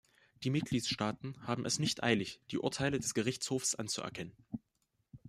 Die Mitgliedstaaten haben es nicht eilig, die Urteile des Gerichthofs anzuerkennen.